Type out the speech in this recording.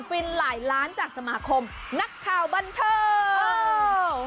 ฟินหลายล้านจากสมาคมนักข่าวบันเทิง